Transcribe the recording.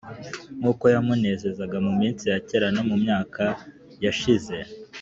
nk’uko yamunezezaga mu minsi ya kera no mu myaka yashize.